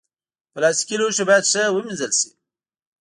پلاستيکي لوښي باید ښه ومینځل شي.